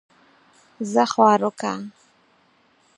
زۀ خواروک کۀ